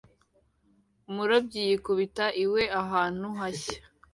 Umurobyi yikubita iwe ahantu hashya